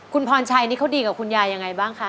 คุณพรชัยนี่เขาดีกับคุณยายยังไงบ้างคะ